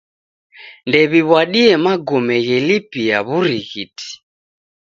Ndew'iw'adie magome ghelipia w'urighiti.